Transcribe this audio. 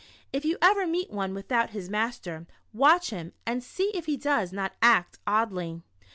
If you ever meet one without his master, watch him and see if he does not act oddly.